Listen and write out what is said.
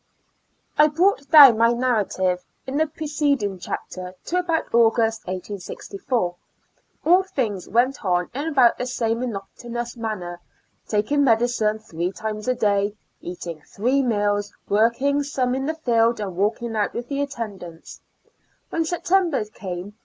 I brought down my narrative in the pre ceclmg chapter to about August, 1864. All thiiio's went on in about the same mono tonous manner, taking medicine three times a day, eating three meals, working some in the field and walking out with the attend ants. When September came.